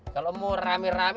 kalau mau ramai ramai